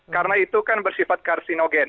karena itu kan bersifat karsinogen